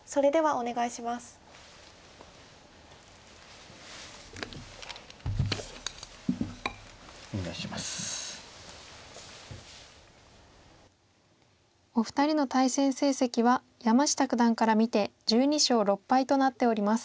お二人の対戦成績は山下九段から見て１２勝６敗となっております。